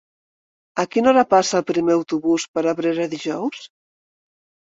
A quina hora passa el primer autobús per Abrera dijous?